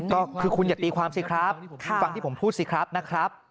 ก็คือคุณอย่าตีความสิครับฟังที่ผมพูดสิครับนะครับ